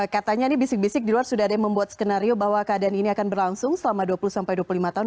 katanya ini bisik bisik di luar sudah ada yang membuat skenario bahwa keadaan ini akan berlangsung selama dua puluh sampai dua puluh lima tahun